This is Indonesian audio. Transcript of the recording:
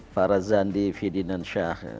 farazandi fidinan shah